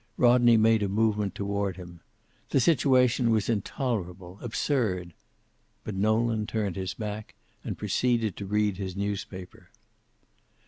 Rodney made a movement toward him. The situation was intolerable, absurd. But Nolan turned his back and proceeded to read his newspaper.